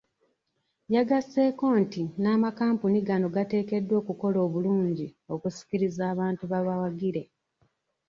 Yagasseeko nti n'amakampuni gano gateekeddwa okukola obulungi okusikiriza abantu babawagire.